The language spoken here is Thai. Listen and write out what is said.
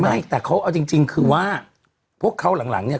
ไม่แต่เขาเอาจริงคือว่าพวกเขาหลังเนี่ย